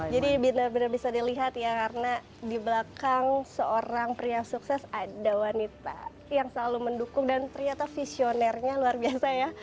jadi benar benar bisa dilihat ya karena dibelakang seorang pria sukses ada wanita yang selalu mendukung dan ternyata visionernya luar biasa ya